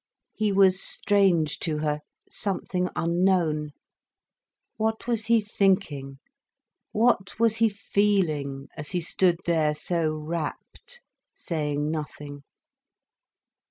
He was strange to her, something unknown. What was he thinking, what was he feeling, as he stood there so rapt, saying nothing?